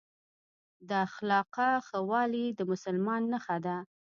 د اخلاقو ښه والي د مسلمان نښه ده.